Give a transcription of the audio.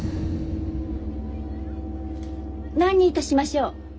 何にいたしましょう？